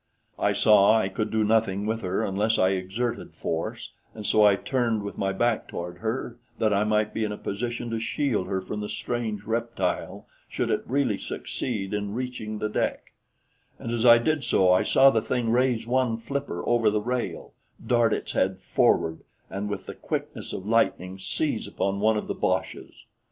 I saw I could do nothing with her unless I exerted force, and so I turned with my back toward her that I might be in a position to shield her from the strange reptile should it really succeed in reaching the deck; and as I did so I saw the thing raise one flipper over the rail, dart its head forward and with the quickness of lightning seize upon one of the boches.